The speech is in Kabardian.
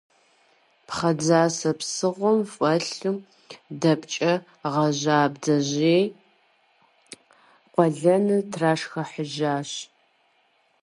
Пхъэ дзасэ псыгъуэм фӀэлъу дэпкӀэ гъэжьа бдзэжьей къуэлэныр трашхыхьыжащ.